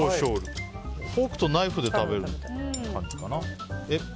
フォークとナイフで食べる感じかな。